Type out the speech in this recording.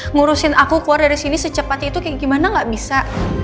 ngurusin aku keluar dari sini secepat itu kayak gimana gak bisa